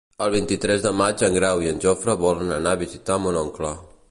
El vint-i-tres de maig en Grau i en Jofre volen anar a visitar mon oncle.